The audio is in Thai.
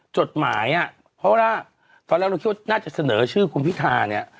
จดหมายอ่ะเพราะว่าตอนแรกเราคิดว่าน่าจะเสนอชื่อคุณพิธาเนี่ย